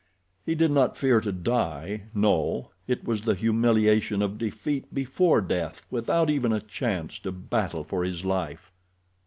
He did not fear to die, no—it was the humiliation of defeat before death, without even a chance to battle for his life.